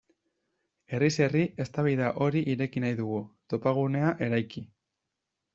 Herriz herri eztabaida hori ireki nahi dugu, topagunea eraiki.